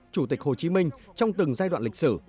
chủ tịch hồ chí minh trong từng giai đoạn lịch sử